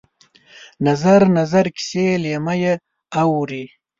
نظر، نظر کسي لېمه یې اورې